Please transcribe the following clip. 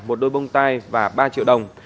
một đôi bông tai và ba triệu đồng